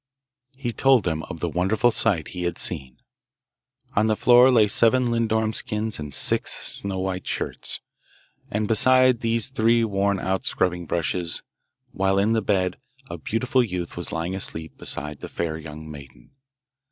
He told them of the wonderful sight he had seen. On the floor lay seven lindorm skins and six snow white shirts, and beside these three worn out scrubbing brushes, while in the bed a beautiful youth was lying asleep beside the fair young maiden.